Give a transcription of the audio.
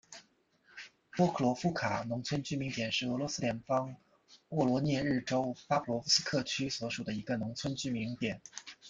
波克罗夫卡农村居民点是俄罗斯联邦沃罗涅日州巴甫洛夫斯克区所属的一个农村居民点。